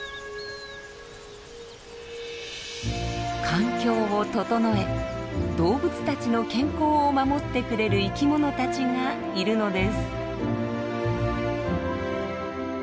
環境を整え動物たちの健康を守ってくれる生き物たちがいるのです。